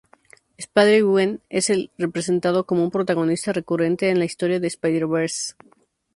Spider-Gwen es representado como un protagonista recurrente en la historia de "Spider-Verse".